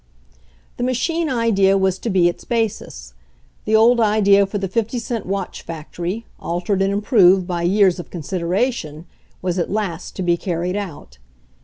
The machine idea was to be its basis. The old idea for the fifty cent watch factory, altered and improved by years of consideration, was at last to be carried out.